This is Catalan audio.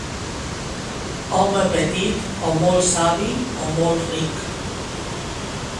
Home petit, o molt savi o molt ric.